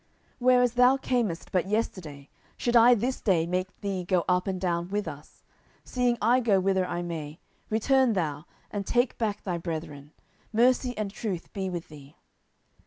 10:015:020 Whereas thou camest but yesterday, should I this day make thee go up and down with us? seeing I go whither I may, return thou, and take back thy brethren: mercy and truth be with thee.